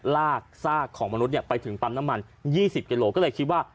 ลากซากของมนุษย์ไปถึงปั๊มน้ำมัน๒๐กิโลก็เลยคิดว่า